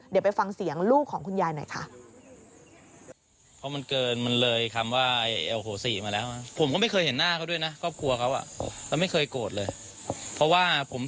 เดี๋ยวไปฟังเสียงลูกของคุณยายหน่อยค่ะ